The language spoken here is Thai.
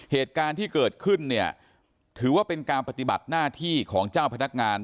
เหตุการณ์ที่เกิดขึ้นเนี่ยถือว่าเป็นการปฏิบัติหน้าที่ของเจ้าพนักงาน